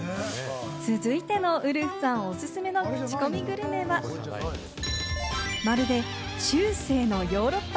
続いてのウルフさんおすすめのクチコミグルメは、まるで中世のヨーロッパ。